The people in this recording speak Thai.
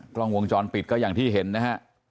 กล้องวงจรปิดก็อย่างที่เห็นนะฮะ